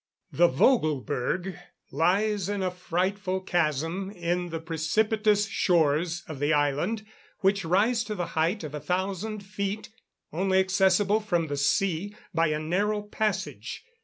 The Vogel berg lies in a frightful chasm in the precipitous shores of the island, which rise to the height of a thousand feet, only accessible from the sea by a narrow passage.